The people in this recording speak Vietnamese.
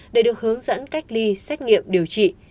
để được hướng dẫn cách ly xét nghiệm điều trị